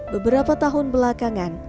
beberapa tahun belakangan